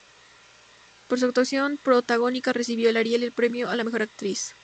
Por su actuación protagónica recibió el Ariel y el premio a la Mejor Actriz.